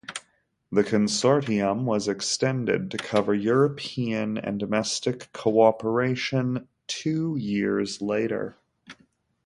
The consortium was extended to cover European and domestic cooperation two years later.